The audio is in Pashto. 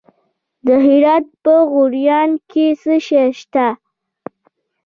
د هرات په غوریان کې څه شی شته؟